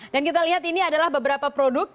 dan kita lihat ini adalah beberapa produk